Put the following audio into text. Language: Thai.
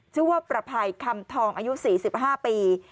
ชื่อว่าประภัยคำทองอายุ๔๕ปี